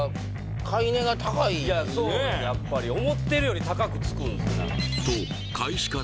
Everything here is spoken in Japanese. いやそうやっぱり思ってるより高くつくんですね